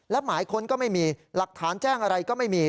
และหมายค้นก็ไม่มีหลักฐานแจ้งอะไรก็ไม่มี